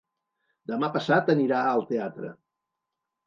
Demà passat anirà al teatre.